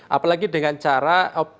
apalagi dengan cara